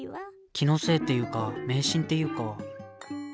気のせいっていうか迷信ていうか。